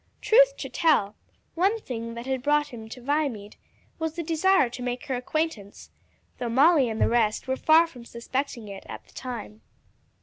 Truth to tell, one thing that had brought him to Viamede was the desire to make her acquaintance though Molly and the rest were far from suspecting it at the time.